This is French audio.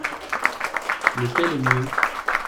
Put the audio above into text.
Lequel est mieux ?